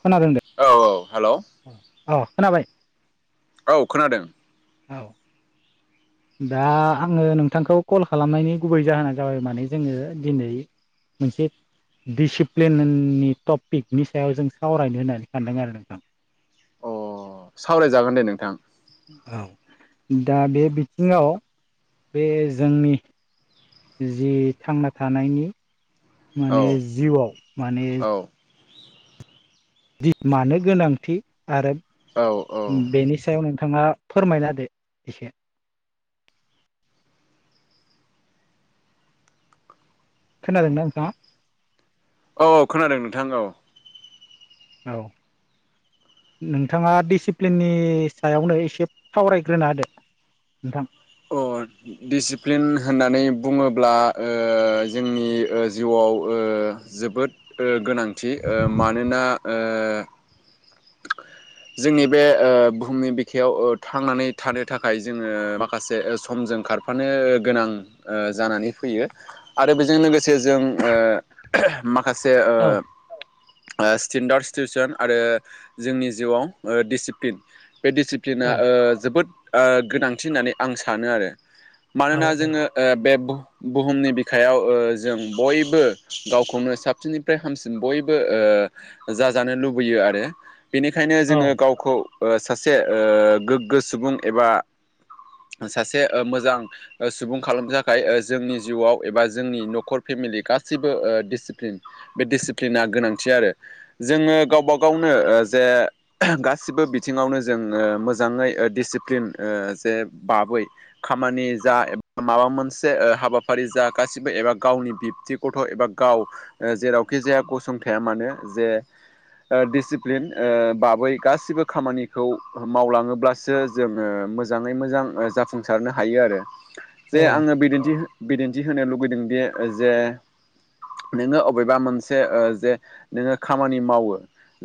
खोनादोंदे औ औ हेलौ अ खोनाबाय? औ खोनादों। औ दा आङो नोंथांखौ कल खालामनायनि गुबै जाहोना जाबाय माने जोङो दिनै मोनसे दिसिप्लिननि टपिकनि सायाव जों सावरायनो होननानै सानदों आरो नोंथां? अ सावरायजागोन दे नोंथां। औ दा बे बिथिङाव बे जोंनि जि थांना थानायनि औ माने जिउआव माने औ ओ मानो गोनांथि आरो औ औ बेनि सायाव नोंथाङा फोरमायना होदो एसे खोनादों ना नोंथाङा? औ औ खोनादों नोंथां औ औ। नोंथाङा दिसिप्लिननि सायावनो एसे सावरायग्रोनो होदो। नोंथां अ दिडसिप्लिन होननानै बुङोब्ला ओ जोंनि जिउआव ओ जोबोद गोनांथि ओ मानोना ओ [inaudible] जोंनि बे बुहुमनि बिखायाव थांनानै थानो थाखाय जोङो माखासे समजों खार फानो गोनां जानानै फैयो आरो बेजों लोगोसे जों माखासे औ स्टेन्डार्ड सिटिउसन आरो। जोंनि जिउआव डिसिप्लिन बे औ डिसिप्लिना ओ जोबोद गोनांथि होननानै आं सानो आरो औ मानोना जोङो ओ बे बु बुहुमनि बिखायाव ओ जों बयबो गावखौनो साबसिननिफ्राय हामसिन बयबो ओ जाजानो लुबैयो आरो बेनिखायनो जोङो गावखौ। ओ सासे ओ गोग्गो सुबुं एबा सासे ओ मोजां ओ सुबुं खालामनो थाखाय ओ जोंनि जिउआव एबा जोंनि नखर फेमिलि गासैबो ओ डिसिप्लिन। बे डिसिप्लिना गोनांथि आरो जोङो गावबा गावनो ओ जे गासिबो बिथिङावनो जों ओ मोजाङै डसिप्लिन ओ जे भाबै खामानि जा ए माबा मोनसे हाबाफारि जा गासिबो एबा गावनि बिबतै गथ' एबा गाव ओ जेरावखि जाया गसंथाया मानो जे दिडिसिप्लिन ओ बाबै गासिबो खामानिखौ मावलाङोब्लासो जोङो मोजाङै मोजां जाफुं सारनो हायो आरो औ जे आङो बिदिन्थि बिदिन्थि होनो लुगैदों बे जे नोङो अबेबा मोनसे ओ जे नोङो खामानि मावो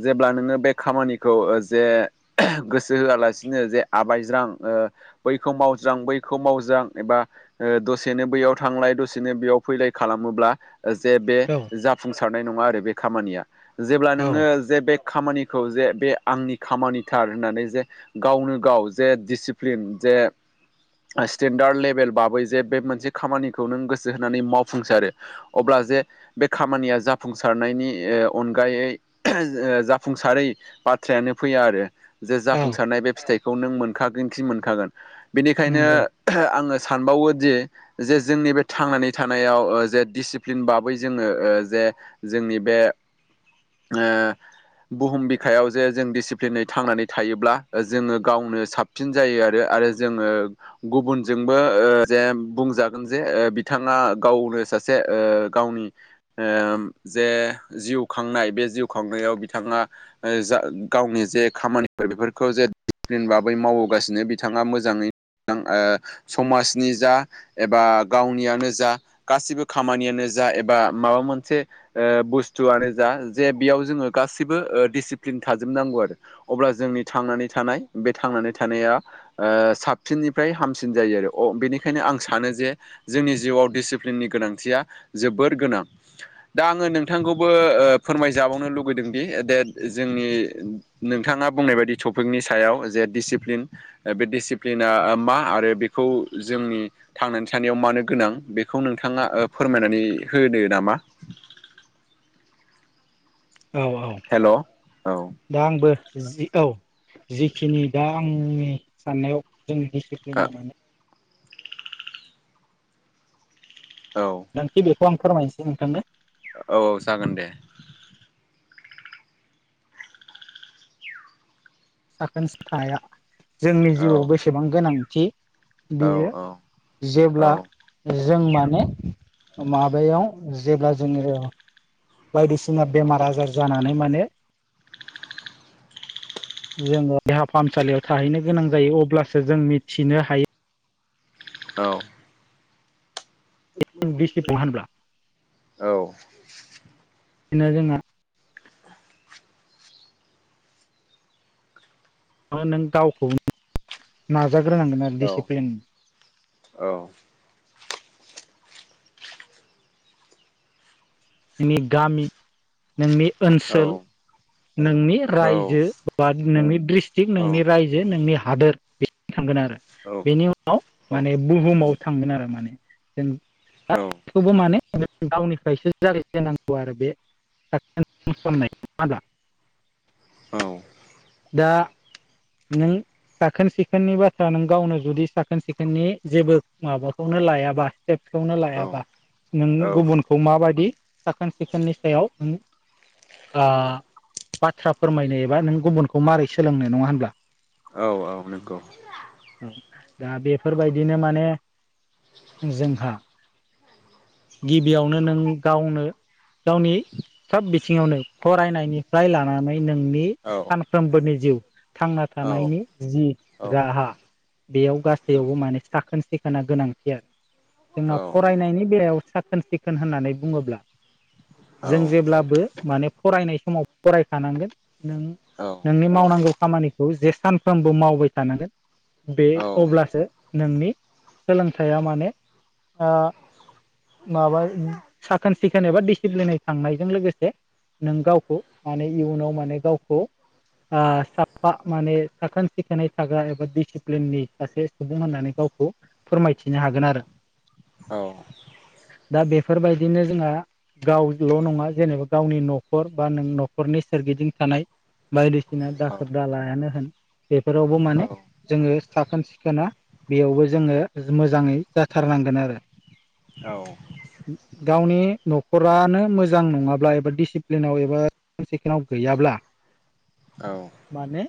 जेब्ला नोङो। बे खामानिखौ जे गोसो होआलासिनो जे आबायज्रां ओ बे बैखौ मावज्रां बैखौ मावज्रां एबा दसेनो बैयाव थांलाय दसेनो बेयाव फैलाय खालामोब्ला जे बे औ जाफुंसारनाय नङा आरो बे खामानिया जेब्ला औ नोङो जे बे खामानि खौ जे बे आंनि खामानिथार होननानै जे गावनो गाव जे दिडसिप्लिन जे स्टेेनडार्द लेभेल बाबै जे बे मोनसे खामानिखौ नों गोसो होनानै मावफुंसारो अब्ला जे बे खामानिया जाफुंसारनायनि अनगायै जा जाफुंसारै बाथ्रायानो फैया आरो जे औ जाफुंसारनाय बे फिथाइ खौ नों मोनखागोन खि मोनखागोन बेनिखायनो नंगौ आङो सानबावो दि जे जोंनि बे थांनानै थानायाव जे डिसिप्लिन बाबै जोङो जे जोंनि बे ओ बुहुम बिखायाव जे जों डिसिप्लिनै थांनानै थायोब्ला जोङो गावनो साब सिन जायो आरो आरो जोङो गुबुनजोंबो ओ जे बुंजागोन जे ओ बिथाङा गावनो सासे ओ गावनि ओ जे जिउ खांनाय बे जिउ खांनायाव बिथाङा जा गावनि जे खामानिफोर बेफोरखौ जे [unintelligible] जेनबा बै मावबोगासिनो बिथाङा मोजाङै मोजां समाजनि जा एबा गावनियानो जा गासिबो खामानियानो जा एबा माबा मोनसे ओ बुस्थुआनो जा जे बेयाव जोङो गासैबो डिसिप्लिन थाजोबनांगौ आरो अब्ला जोंनि थांनानै थानाय बे थांनानै थानाया साबसिननिफ्राय हामसिन जायो आरो अ बेनिखायनो आं सानो जे जोंनि जिउआव डिसिप्लिननि गोनांथिया जोबोर गोनां दा आंङो नोंथांखौबो फोरमायजाबावनो लु गैदोंदि देट जोंनि नोंथांङा बुंनाय बायदि टपिकनि सायाव जे डिसिप्लिन बे डिसिप्लिना मा आरो बेखौ जोंनि थांनानै थानायाव मानो गोनां बेखौ नोंथांङा फोरमायनानै होदो नामा औ औ हेलौ औ दा आंबो जि औ जिखिनि दा आंनि साननायाव जोंनि डिसिप्लिना माने औ माने खि बेखौ आं फोरमायनोसै नोंथांनो औ औ जागोन दे साखोन सिखाया जोंनि औ जिउआव बेसेबां गोनांथि औ बेयो औ औ जेब्ला जों माने माबायाव जेब्ला जोंङो बायदिसिना बेमार आजार जानानै माने जोंङो देहा फाहामसालियाव थाहैनो गोनां जायो अब्लासो जों मिथिनो हायो औ दिसिप्लिन होनब्ला औ बिदिनो जोंहा नों गावखौ नाजाग्रोनांगोन आरो औ डिसिप्लिन औ नोंनि गामि नोंनि ओनसोल नोंनि रायजो बा नोंनि डिस्ट्रिक्ट नोंनि रायजो जे नोंनि हादोर बिसिम थांगोन आरो औ बेनि उनाव माने बुहुमाव थांगोन आरो माने जों औ बेखौबो माने गावनिफ्रायसो जागायजेनांगौ आरो बे [unintelligible] औ दा नों साखोन सिखोननि बाथ्रा नों गावनो जुदि साखोन सिखोननि जेबो माबाखौनो लायाबा स्टेब्सखौनो लायाबा नों औ गुबुनखौ माबायदि साखोन सिखोननि सायाव नों बाथ्रा फोरमायनो एबा नों गुबुनखौ माबारै सोलोंनाय नङा होनब्ला? औ औ नंगौ औ दा बेफोरबायदिनो माने जोंहा गिबियावनो नों गावनो गावनि सब बिथिङावनो फरायनायनिफ्राय लानानै नोंनि औ सानफ्रोमबोनि जिउ थांना औ थानायनि जि राहा बेयाव गासैयावबो माने साखोन सिखोना गोनांथि आरो जोंना फरायनायनि बेलायाव सा खोन सिखोन होननानै बुंङोब्ला जों जेब्लाबो माने फरायनाय समाव फरायखानांगोन नों औ नोंनि मावनांगौ खामानिखौ जे सानफ्रोमबो मावबाय थानांगोन बे अब्लासो नोंनि सोलोंथाइया माने ओ माबा साखोन सिखोन एबा डिसिप्लिनै थांनायजों लोगोसे नों गावखौ माने इयुनाव माने गावखौ ओ साब फा माने साखोन सिखोनै थाग्रा एबा डिसिप्लिननि सासे सुबुं होननानै गावखौ फोरमायथिनो हागोन आरो। औ दा बेफोरबायदिनो जोंहा गावल नङा जेनेबा गावनि न'खर बा नों न'खरनि सोरगिदिं थानाय बायदिसि ना दाखोर दालायानो होन बेफोरावबो माने जोङो सा साखोन सिखोना बेयावबो जोङो मोजाङै जाथारनांगोन आरो। औ गावनि न'खरानो मोजां नङाब्ला एबा डिसिप्लिनाव एबा साखोन सिखोनाव गैयाब्ला औ माने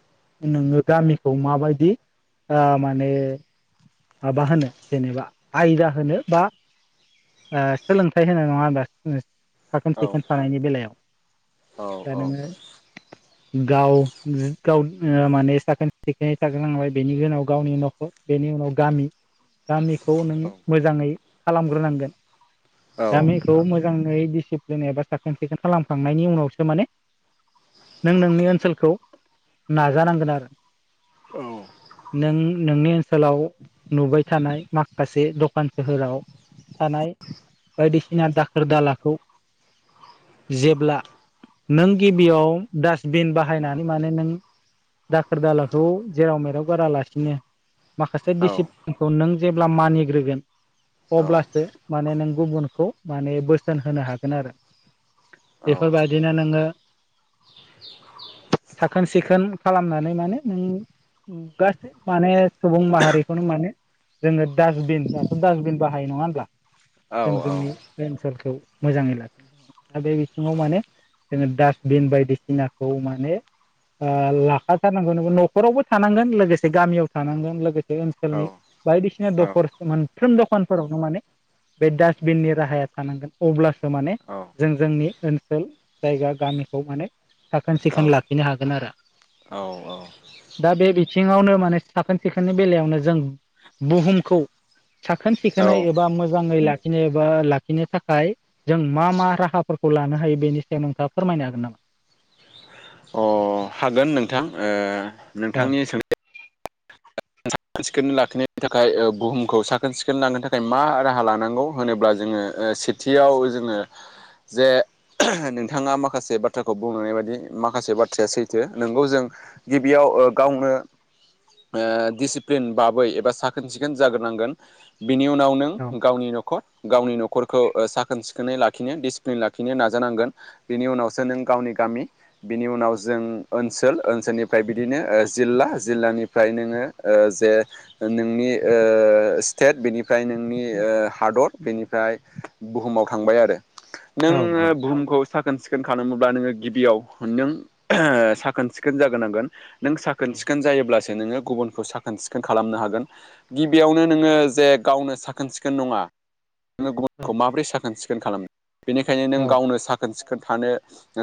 नोङो गामिखौ माबायदि ओ माने माबा होनो जेनेबा आयदा होनो बा ओ सोलोंथाइ होनो नङा होनबा साखोन सिखोन थानायनि बेलायाव दा नोङो [inaudible] गाव गाव माने साखोन सिखोनै थाग्रोनांबाय बेनि उनाव गावनि न'खर बेनि उनाव गामि गामिखौ नों मोजाङै खालामग्रोनांगोन। गामिखौ मोजाङै दिडसिप्लिन एबा साखोन सिखोन खालामखांनायनि उनावसो माने नों नोंनि ओनसोलखौ नाजानांगोन आरो। औ नों नोंनि ओनसोलाव नुबाय थानाय माखासे दखान सोहोराव थानाय बायदिसिना दाखोर दालाखौ जेब्ला नों गिबियाव डास्टबिन बाहायनानै माने नों दाखोर दालाांखौ जेराव मेराव गारालासिनो माखासे दिसिप्लि नखौ नों जेब्ला मानिग्रोगोन अब्लासो माने नों गुबुनखौ माने बोसोन होनो हागोन आरो। बेफोरबायदिनो नोङो साखोन सिखोन खालामनानै माने नों गासै माने सुबुं माहारि बखौनो मानो जोंङो डास्टबिन दाथ डास्टबिन बाहायो नंङा होनब्ला जों औ औ जोंनि बे ओनसोलखौ मोजांङै लाखिनो दा थाखाय बे बिथिंङाव माने जोंङो डास्टबिन बायदिसिनाखौ माने लाखाथारनांगौ न'खरावबो थानांगोन लोगोसे गामियाव थानांगोन लोगोसे बे अ ओनसोलनि बायदिसिना दखर मोनफ्रोम दखानफोरावनो माने बे डास्टबिननि राहाया थानांगोन अब्लासो माने जों जोंनि ओनसोल जायगा गामिखौ माने साखोन सिखोन लाखिनो हागोन आरो दा बे बिथिंङावनो माने साखोन सिखोननि बेलायावनो जों बुहुमखौ साखोन सिखोनै एबा मोजाङै लाखि नो बा लाखिनो थाखाय जों मा मा राहाफोरखौ लानो हायो बेनि सायाव नोंथाङा फोरमायनो हागोन नामा? अ हागोन नोंथां औ नोंथांनि सों साखोन सिखोनै लाखिनायनि थाखाय बुहुमखौ साखोन सिखोनै लांनो थाखाय मा राहा लानांगौ होनोब्ला जोंङो सेथियाव जोंङो जे नोंथांङा माखासे बाथ्राखौ बुंनाय बायदि माखासे बाथ्राया सैथो नोंगौ जों गिबियाव गावनो दिसिप्लि न बाबै एबा साखोन सिखोन जाग्रोनांगोन बिनि उनाव नों औ गावनि न'खर गावनि न'खरखौ साखोन सिखोनै लाखिनो डिसिप्लिन लाखिनो नाजानांगोन बेनि उनावसो नों गावनि गामि बिनि उनाव जों ओनसोल ओनसोलनिफ्राय बिदिनो जिल्ला जिल्लानिफ्राय नोंङो जे नोंनि स्टेट बेनिफ्राय नोंनि हादर बेनिफ्राय बुहुमाव थांबाय आरो औ नोङो बुहुमखौ साखोन सिखोन खालामोब्ला नोंङो गिबियाव नों साखोन सिखोन जागोनांगोन नों साखोन सिखोन जायोब्लासो नोंङो गुबुनखौ साखोन साखोन सिखोन खालामनो हागोन गिबियावनो नोंङो जे गावनो साखोन सिखोन नंङा नोंङो गुबुनखौ माबोरै साखोन सिखोन खालाम बेनिखायनो औ नों गावनो साखोन सिखोन थानो।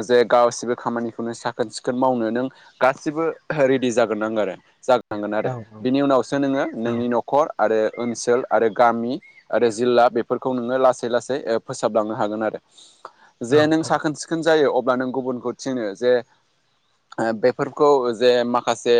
जे गासिबो खामानिखौनो साखोन सिखोन मावनो नों गासिबो रेडि जागोन नांगो आरो जागोन। औ औ नि उनावसो नोंङो नोंनि न'खर आरो ओनसोल आरो गामि आरो जिल्ला बेफोरखौ नोंङो लासै लासै फोसाबलांनो हागोन आरो जे औ नों साखोन सिखोन खोन जायो अब्ला नों गुबुनखौ थिनो जे बेफोरखौ जे माखासे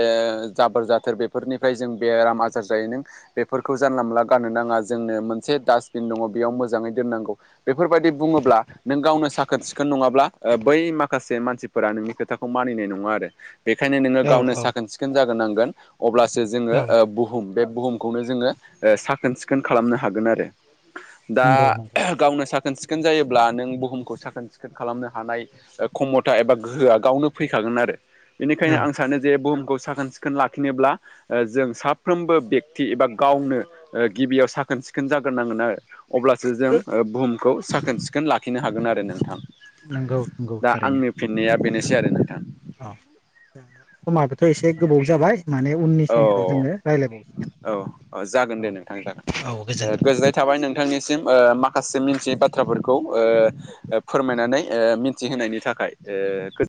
जाबोर जाथोर बेफोरनि जों बेराम आजार जायो नों बेफोरखौ जानला मोनला गाननो नांङा जोंनो मोनसे डास्टबिन दंङो बेयाव मोजाङै दोननांगौ। बेफोरबायदि बुंङोब्ला नों गावनो साखोन सिखोन नङाब्ला बै माखासे मानसि फोरा नोंनि खोथाखौ मानिनाय नंङा आरो बेखायनो नोंङो औ गावनो साखोन सिखोन जाग्रोनांगोन अब्लासो जोंङो औ बुहुम बुहुम बे बुहुमखौनो जोंङो साखोन सिखोन खालामनो हागोन आरो दा नंगौ नंगौ गावनो साखोन सिखोन जायोब्ला नों बुहुमखौ साखोन सिखोन खालामनो हानाय खमथा एबा गोहोआ गावनो फैखागोन आरो बेनिखायनो औ आं सानो जे बुहुमखौ साखोन सिखोन लाखिनोब्ला जों साफ्रोमबो बेक्ति एबा गावनो गिबियाव साखोन सिखोन जाग्रोनांगोन आरो अब्लासो जों बुहुमखौ साखोन सिखोन लाखिनो हागोन आरो नोंथां नंगौ नंगौ दा थारैनो आंनि फिननाया बेनोसै आरो नोंथां औ द समाबोथ' एसे गोबाव जाबाय माने उन नि औ समफ्राव जोंङो औ जागोन रायज्लायबावसिगोन दे नोंथां जागोन औ औ ओ गोजोनथों गोजोननाय थाबाय नोंथांनिसिम माखासे मिथियै बाथ्राफोरखौ ओ फोरमायनानै ओ मिथिहोनायनि थाखाय ओ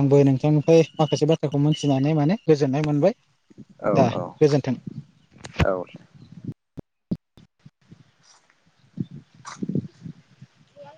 आंबो नोंथांनिफ्राय माखासे बाथ्राखौ मोनथिनानै माने गोजोननाय मोनबाय। औ दा औ गोजोन्थों औ दे।